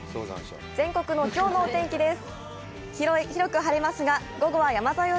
全国のきょうのお天気です。